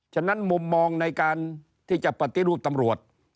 ฉะนั้นมุมมองในการที่จะปฏิรูปตำรวจ